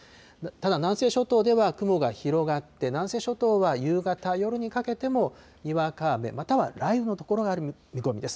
ただ南西諸島では雲が広がって、南西諸島は夕方、夜にかけても、にわか雨、または雷雨の所がある見込みです。